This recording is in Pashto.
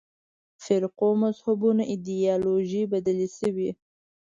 فرقو مذهبونو ایدیالوژۍ بدلې شوې.